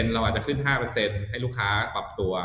เราอาจจะขึ้น๕ให้ลูกค้าปรับตัว